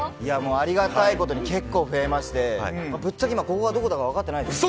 ありがたいことに結構増えましてぶっちゃけ今、ここがどこだか分かってないです。